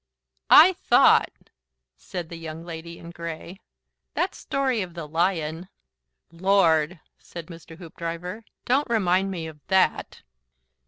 "I THOUGHT," said the Young Lady in Grey, "that story of the lion " "Lord!" said Mr. Hoopdriver. "Don't remind me of THAT."